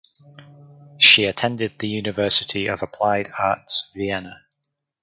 She attended the University of Applied Arts Vienna.